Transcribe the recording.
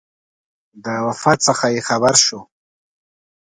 د وفات څخه خبر شو.